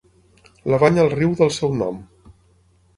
La banya el riu del seu nom.